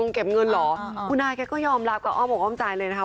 เก็บเงินเหรอคุณอาแกก็ยอมรับกับอ้อมอกอ้อมใจเลยนะคะ